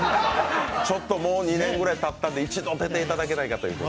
ちょっと、もう２年ぐらいたったので一度出ていただけないかということで。